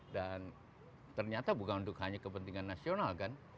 dan ternyata bukan hanya untuk kepentingan nasional kan